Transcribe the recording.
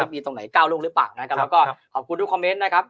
มีตรงไหนก้าวลูกหรือเปล่านะครับแล้วก็ขอบคุณทุกคอมเมนต์นะครับ